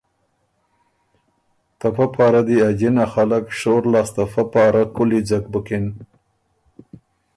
ته پۀ پاره دی ا جِنه خلق شور لاسته فۀ پاره کُولی ځک بُکِن